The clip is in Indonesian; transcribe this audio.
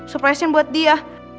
surprise in buat dia